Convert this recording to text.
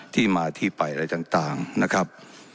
ที่มาที่ไปอะไรต่างนะครับ